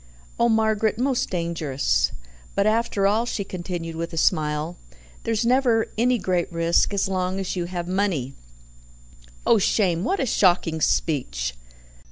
"Oh, Margaret, most dangerous." "But after all," she continued with a smile, "there's never any great risk as long as you have money." "Oh, shame! What a shocking speech!"